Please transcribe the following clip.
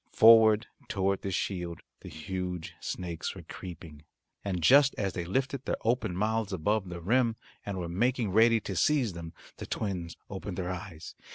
Forward toward this shield the huge snakes were creeping, and just as they lifted their open mouths above the rim, and were making ready to seize them, the twins opened their eyes.